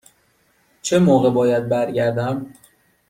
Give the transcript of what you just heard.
چه موقع باید برگردم؟